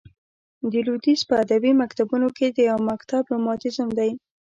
د لوېدیځ په ادبي مکتبونو کښي یو مکتب رومانتیزم دئ.